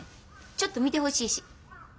ちょっと見てほしいし。